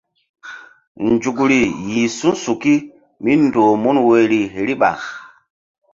Nzukri yih su̧suki míndoh mun woyri riɓa.